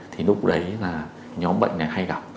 thì lúc đấy là nhóm bệnh này hay gặp